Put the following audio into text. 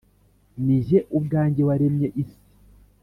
Ni jye ubwanjye waremye isi